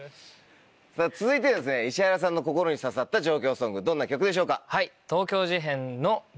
さぁ続いてですね石原さんの心に刺さった上京ソングどんな曲でしょうか？